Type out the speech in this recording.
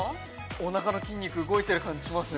◆おなかの筋肉、動いている感じがしますね。